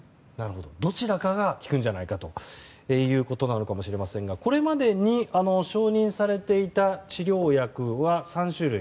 どちらかが効くんじゃないかということなのかもしれませんがこれまでに承認されていた治療薬は３種類。